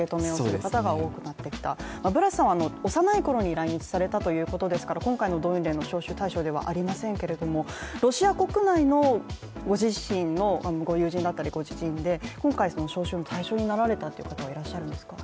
ブラスさんは幼いころに来日されたということですから今回の動員令の招集対象ではありませんけどもロシア国内のご自身の、ご友人だったりご知人で今回、召集の対象になられた方はいらっしゃるんですか？